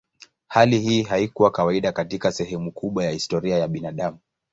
Hali hii haikuwa kawaida katika sehemu kubwa ya historia ya binadamu.